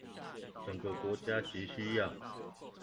整個國家極需要